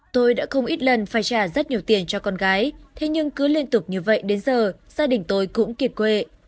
tôi đã không ít lần phải trả rất nhiều tiền cho con gái thế nhưng cứ liên tục như vậy đến giờ gia đình tôi cũng kiệt quệ